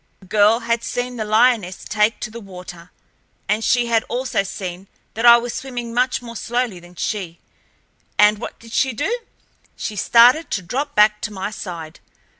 The girl had seen the lioness take to the water, and she had also seen that I was swimming much more slowly than she, and what did she do? She started to drop back to my side.